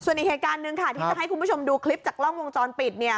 ส่วนอีกเหตุการณ์หนึ่งค่ะที่จะให้คุณผู้ชมดูคลิปจากกล้องวงจรปิดเนี่ย